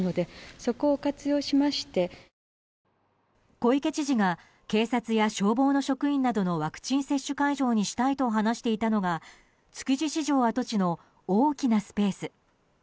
小池知事が警察や消防の職員などのワクチン接種会場にしたいと話していたのが築地市場跡地の大きなスペース。